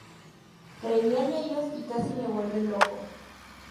Creí en ellos y casi me vuelven loco.